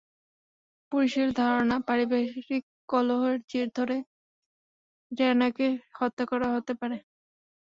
পুলিশের ধারণা, পারিবারিক কলহের জের ধরে রেহানাকে হত্যা করা হতে পারে।